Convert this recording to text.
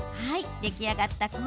出来上がった氷。